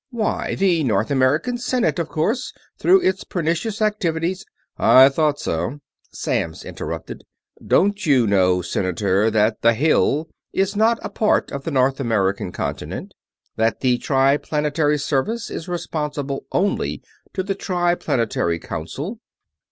"Why, the North American Senate, of course, through its Pernicious Activities...." "I thought so." Samms interrupted. "Don't you know, Senator, that the Hill is not a part of the North American Continent? That the Triplanetary Service is responsible only to the Triplanetary Council?"